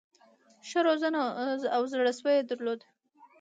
ښه روزنه او زړه سوی یې درلود.